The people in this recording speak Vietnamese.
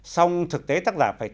song thực tế tác giả phải